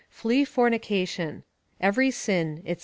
Flee fornication. Every sin, &c.